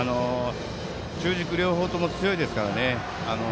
中軸、両方とも強いですからね。